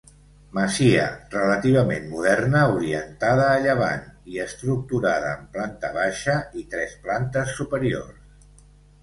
Masia relativament moderna orientada a llevant i estructurada en planta baixa i tres plantes superiors.